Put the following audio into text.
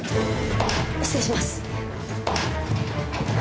失礼します。